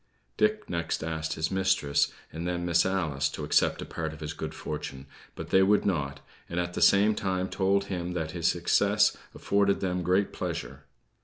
Dick next asked his mistress, and then Miss Alice, to accept a part of his good fortune; but they would not, and at the same time told him that his success afforded them great pleasure.